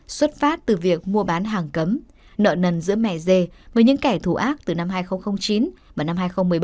xuất phát từ việc mua bán hàng cấm nợ nần giữa mẻ dê với những kẻ thù ác từ năm hai nghìn chín và năm hai nghìn một mươi bảy